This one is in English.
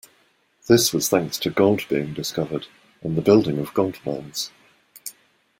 This was thanks to gold being discovered and the building of gold mines.